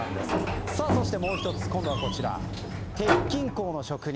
そして、もう１つ今度は鉄筋工の職人。